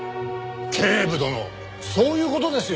警部殿そういう事ですよ。